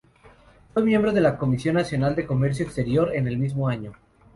Fue miembro de la Comisión Nacional de Comercio Exterior en el mismo año.